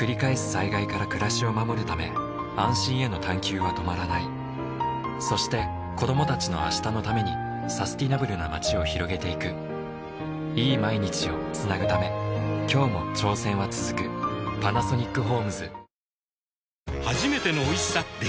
災害から暮らしを守るため安心への探究は止まらないそして子供たちの明日のためにサスティナブルな街を拡げていくいい毎日をつなぐため今日も挑戦はつづくパナソニックホームズ新しいやつ？